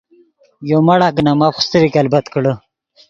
یو مڑا کہ نے ماف خوستریک البت کڑے۔